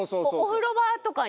お風呂場とかに。